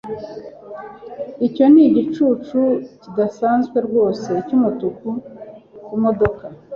Icyo ni igicucu kidasanzwe rwose cyumutuku kumodoka.